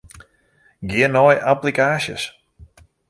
Gean nei applikaasjes.